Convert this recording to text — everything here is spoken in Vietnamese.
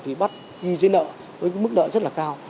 thì bắt ghi dưới nợ với mức nợ rất là cao